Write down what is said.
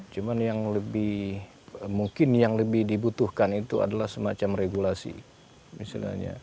cuma yang lebih mungkin yang lebih dibutuhkan itu adalah semacam regulasi misalnya